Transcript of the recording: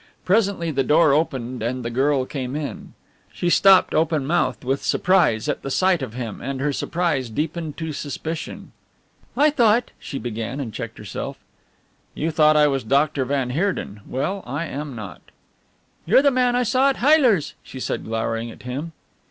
Presently the door opened and the girl came in. She stopped open mouthed with surprise at the sight of him, and her surprise deepened to suspicion. "I thought " she began, and checked herself. "You thought I was Doctor van Heerden? Well, I am not." "You're the man I saw at Heyler's," she said, glowering at him.